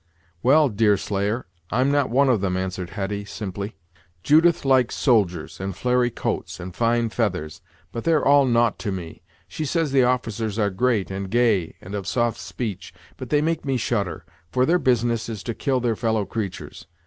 "Well, Deerslayer, I'm not one of them," answered Hetty, simply; "Judith likes soldiers, and flary coats, and fine feathers; but they're all naught to me. She says the officers are great, and gay, and of soft speech; but they make me shudder, for their business is to kill their fellow creatures.